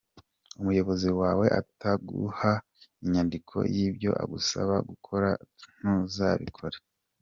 Umuyobozi wawe ataguha inyandiko y’ibyo agusaba gukora ntuzabikore.